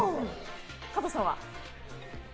加藤さんは？